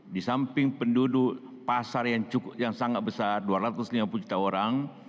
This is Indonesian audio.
di samping penduduk pasar yang sangat besar dua ratus lima puluh juta orang